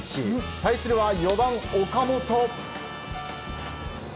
対するは４番、岡本。